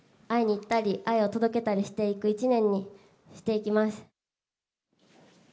会いに行ったり、愛を届けたりしていく一年にしていきます。